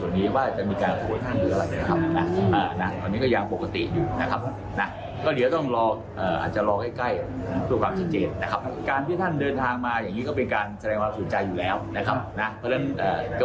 ทีนี้ลองมาดูเส้นทางกันหน่อยนะคะ